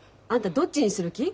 どっちにする気？